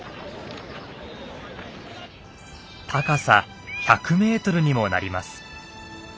高さ１００メートルにもなります。